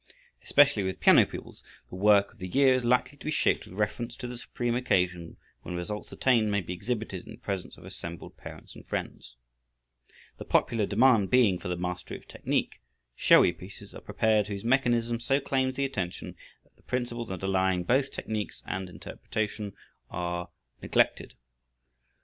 Especially with piano pupils, the work of the year is likely to be shaped with reference to the supreme occasion when results attained may be exhibited in the presence of assembled parents and friends. The popular demand being for the mastery of technique, showy pieces are prepared whose mechanism so claims the attention that the principles underlying both technics and interpretation are neglected.